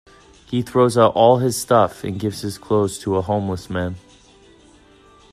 He throws out all his stuff and gives his clothes to a homeless man.